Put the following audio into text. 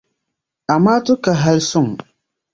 Amaatu ka hali suŋ.